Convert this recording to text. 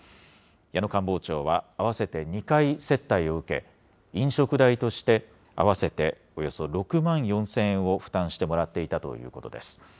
矢野官房長は合わせて２回接待を受け、飲食代として合わせておよそ６万４０００円を負担してもらっていたということです。